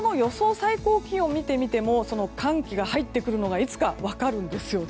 最高気温を見てみてもその寒気が入ってくるのがいつか分かるんですね。